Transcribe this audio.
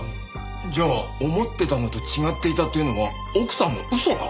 じゃあ思ってたのと違っていたというのは奥さんの嘘か？